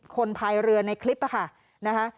คนภายเรือในคลิปค่ะ